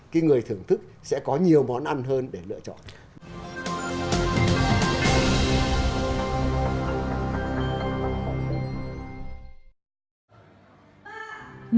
cái người thưởng thức sẽ có nhiều món ăn hơn để lựa chọn